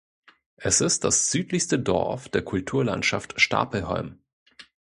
Es ist das südlichste Dorf der Kulturlandschaft Stapelholm.